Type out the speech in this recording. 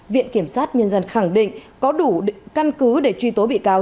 viện kiểm sát nhân dân khẳng định có đủ căn cứ để truy tố bị cáo